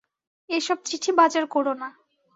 এ-সব চিঠি বাজার কর না।